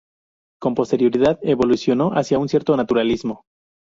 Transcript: Con posterioridad evolucionó hacia un cierto naturalismo.